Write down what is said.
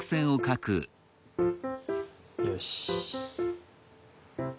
よし。